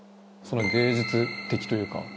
つまり芸術的というか。